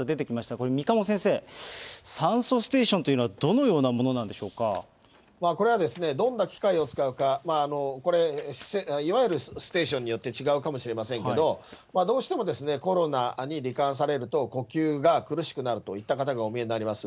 これ、三鴨先生、酸素ステーションというのは、これはですね、どんな機械を使うか、これ、いわゆるステーションによって違うかもしれませんけれども、どうしてもですね、コロナにり患されると、呼吸が苦しくなるといった方がお見えになります。